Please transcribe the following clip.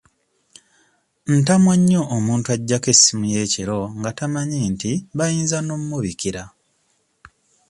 Ntamwa nnyo omuntu aggyako essimu ye ekiro nga tamanyi nti bayinza n'ommubikira.